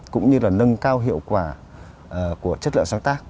cũng như là nâng cao hiệu quả của chất lượng sáng tác